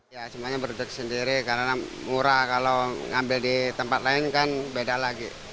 ya semuanya produk sendiri karena murah kalau ngambil di tempat lain kan beda lagi